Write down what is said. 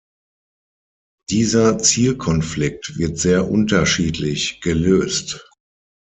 Dieser Zielkonflikt wird sehr unterschiedlich gelöst.